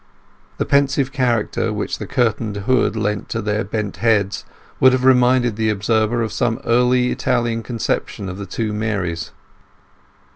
The pensive character which the curtained hood lent to their bent heads would have reminded the observer of some early Italian conception of the two Marys.